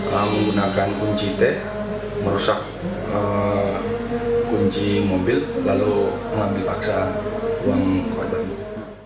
menggunakan kunci t merusak kunci mobil lalu mengambil paksa uang keluar dari mobil